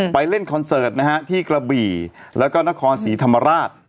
เล่นคอนเสิร์ตนะฮะที่กระบี่แล้วก็นครศรีธรรมราช